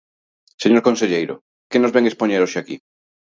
Señor conselleiro, ¿que nos vén expoñer hoxe aquí?